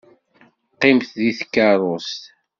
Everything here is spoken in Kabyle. Qqimet deg tkeṛṛust.